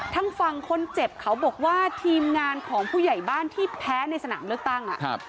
ทางฝั่งคนเจ็บเขาบอกว่าทีมงานของผู้ใหญ่บ้านที่แพ้ในสนามเลือกตั้ง